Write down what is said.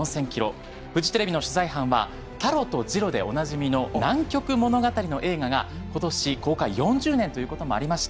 フジテレビの取材班はタロとジロでおなじみの「南極物語」の映画が今年公開４０年ということもありまして